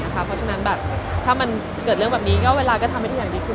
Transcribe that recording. เพราะฉะนั้นถ้ามันเกิดเรื่องแบบนี้ก็เวลาก็ทำให้ทุกอย่างดีขึ้น